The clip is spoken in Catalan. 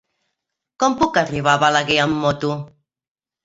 Com puc arribar a Balaguer amb moto?